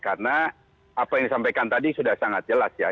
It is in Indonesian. karena apa yang disampaikan tadi sudah sangat jelas ya